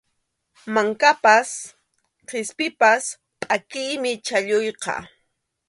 Mankapas qispipas pʼakiymi chhalluyqa.